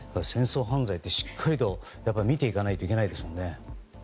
戦争犯罪は、しっかりと見ていかないといけないですね。